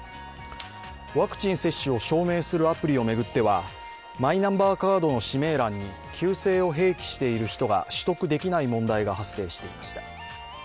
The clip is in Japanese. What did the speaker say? ワクチン接種を証明するアプリを巡ってはマイナンバーカードの氏名欄に旧姓を併記している人が取得できない問題が発生していました。